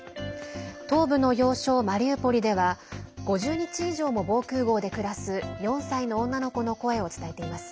東部の要衝マリウポリでは５０日以上も防空ごうで暮らす４歳の女の子の声を伝えています。